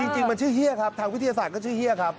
จริงมันชื่อเฮียครับทางวิทยาศาสตร์ก็ชื่อเฮียครับ